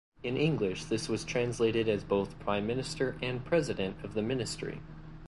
In English this was translated as both Prime Minister and President of the Ministry.